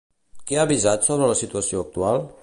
Què ha avisat sobre la situació actual?